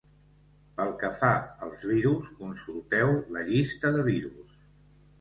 Pel que fa als virus, consulteu la llista de virus.